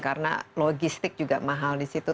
karena logistik juga mahal di situ